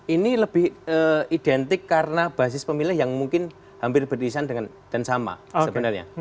ini lebih identik karena basis pemilih yang mungkin hampir beririsan dengan dan sama sebenarnya